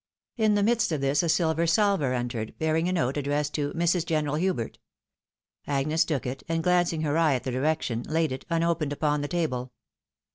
In the midst of this a silver salver entered, bearing a note addressed to " Mrs. General Hubert." Agnes took it, and glancing her eye at the direction, laid it, unopened, upon the table.